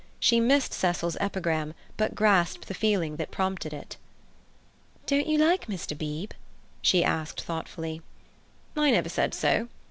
She missed Cecil's epigram, but grasped the feeling that prompted it. "Don't you like Mr. Beebe?" she asked thoughtfully. "I never said so!"